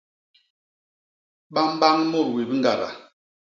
Ba mbañ mut wip ñgada.